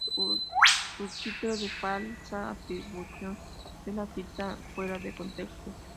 Un subtipo de falsa atribución es la cita fuera de contexto.